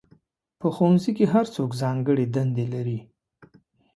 په ښوونځي کې هر څوک ځانګړې دندې لري.